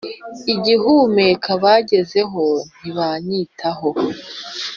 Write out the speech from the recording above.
ugihumeka bangezeho ntibanyitaho